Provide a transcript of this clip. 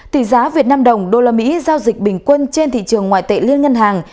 tỷ giá việt nam đồng đô la mỹ giao dịch bình quân trên thị trường ngoại tệ liên ngân hàng